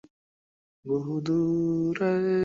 এ বৎসর অবিরাম কাজের ফলে আমি ভগ্নস্বাস্থ্য।